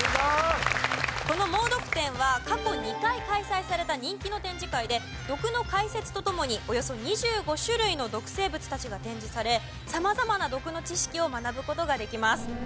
このもうどく展は過去２回開催された人気の展示会で毒の解説とともにおよそ２５種類の毒生物たちが展示され様々な毒の知識を学ぶ事ができます。